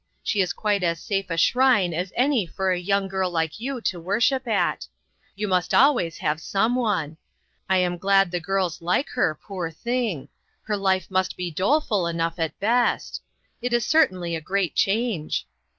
She is quite as safe a shrine as any for a young girl like you to worship at. You must always have some one. I am glad the girls like her, poor thing ; her life must be doleful enough at best. It is cer tainly a great change."